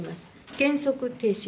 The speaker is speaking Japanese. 原則停止。